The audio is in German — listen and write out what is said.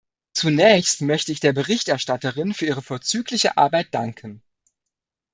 Zunächst möchte ich der Berichterstatterin für ihre vorzügliche Arbeit danken.